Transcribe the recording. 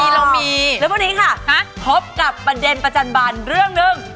เราก็พบกับประเด็นประจำบันเรื่องนึง